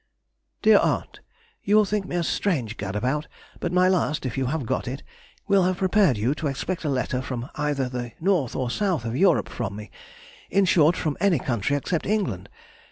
DEAR AUNT,— You will think me a strange gad about, but my last, if you have got it, will have prepared you to expect a letter from either the north or south of Europe from me, in short from any country except England.